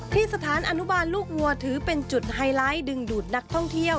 ที่สถานอนุบาลลูกวัวถือเป็นจุดไฮไลท์ดึงดูดนักท่องเที่ยว